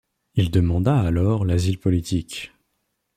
Il demanda alors l'asile politique.